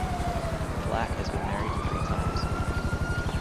Black has been married three times.